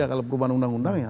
kalau perubahan undang undang ya